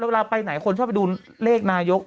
เวลาไปไหนคนชอบไปดูเลขนายก